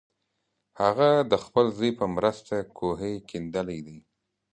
هغه د خپل زوی په مرسته کوهی کیندلی دی.